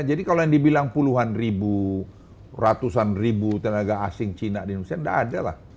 jadi kalau yang dibilang puluhan ribu ratusan ribu tenaga asing cina di indonesia nggak ada lah